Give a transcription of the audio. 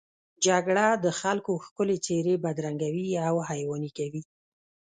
جګړه د خلکو ښکلې څېرې بدرنګوي او حیواني کوي